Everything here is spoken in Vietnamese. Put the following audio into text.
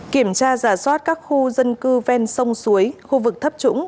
kiểm tra giả soát các khu dân cư ven sông suối khu vực thấp trũng